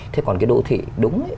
thế còn cái đô thị đúng